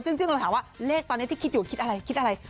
ซึ่งเราถามว่าเลขตอนนี้ที่คิดอยู่คิดอะไรคิดอะไร